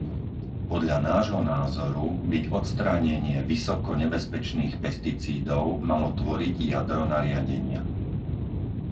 Podľa nášho názoru by odstránenie vysoko nebezpečných pesticídov malo tvoriť jadro nariadenia.